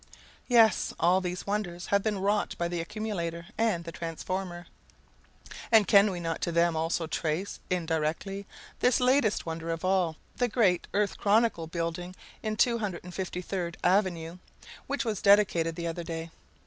Yes, all these wonders have been wrought by the accumulator and the transformer. And can we not to them also trace, indirectly, this latest wonder of all, the great "Earth Chronicle" building in 253d Avenue, which was dedicated the other day?